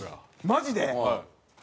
マジで？